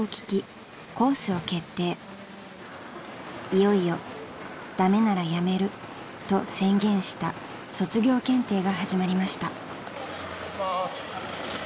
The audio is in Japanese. ［いよいよ「駄目なら辞める」と宣言した卒業検定が始まりました］